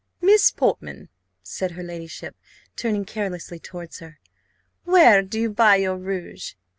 "Miss Portman," said her ladyship, turning carelessly towards her, "where do you buy your rouge?